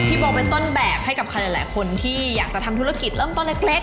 โบเป็นต้นแบบให้กับใครหลายคนที่อยากจะทำธุรกิจเริ่มต้นเล็ก